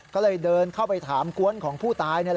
ก็เลยเดินเข้าไปถามกวนของผู้ตาย